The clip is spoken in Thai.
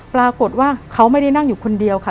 ปรากฏว่าเขาไม่ได้นั่งอยู่คนเดียวค่ะ